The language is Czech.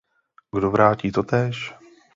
Kdo vrátí totéž?